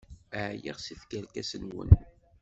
Ɛyiɣ seg tkerkas-nwen!